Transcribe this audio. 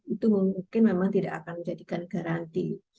itu mungkin memang tidak akan menjadikan garanti